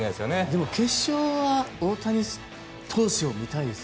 でも決勝は大谷投手が見たいです。